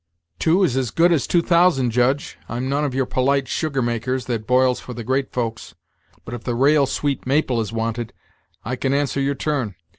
"Two is as good as two thousand, Judge. I'm none of your polite sugar makers, that boils for the great folks; but if the raal sweet maple is wanted, I can answer your turn.